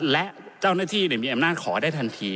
และเจ้าหน้าที่มีอำนาจขอได้ทันที